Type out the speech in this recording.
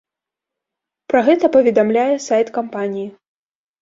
Пра гэта паведамляе сайт кампаніі.